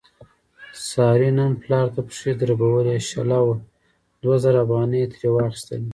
سارې نن پلار ته پښې دربولې، شله وه دوه زره افغانۍ یې ترې واخستلې.